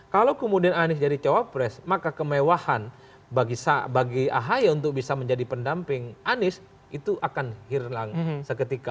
kalau kemudian anies jadi cawapres maka kemewahan bagi ahy untuk bisa menjadi pendamping anies itu akan hilang seketika